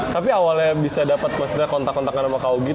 tapi awalnya bisa dapet maksudnya kontak kontakan sama kak augi